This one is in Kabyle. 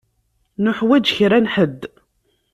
Nuḥwaǧ kra n ḥedd.